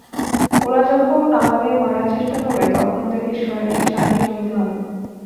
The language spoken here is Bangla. ওরা যখন আমাদের মারার চেষ্টা করবে, তখন ওদেরকে সারিয়ে তুলতে হবে।